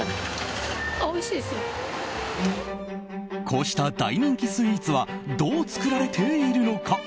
こうした大人気スイーツはどう作られているのか。